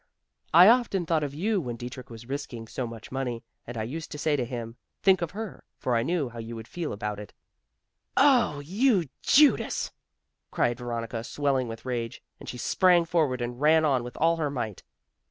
I often thought of you when Dietrich was risking so much money, and I used to say to him "think of her," for I knew how you would feel about it." "Oh, you Judas!" cried Veronica, swelling with rage, and she sprang forward and ran on with all her might.